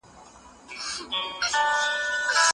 ښځې د ټولنې په اقتصادي او ټولنیز پرمختګ کې فعاله ونډه لري.